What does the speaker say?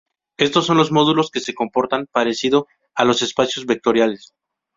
Estos son los módulos que se comportan parecido a los espacios vectoriales.